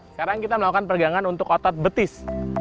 sekarang kita melakukan pergangan untuk otot betis